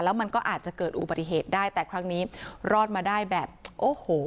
แล้วมันก็อาจจะเกิดอุบัติเหตุได้แต่ครั้งนี้รอดมาได้แบบโอ้โห